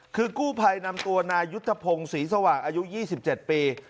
คือกู้ภัยนำตัวนายยุทธพงศ์ศรีสว่างอายุ๒๗ปี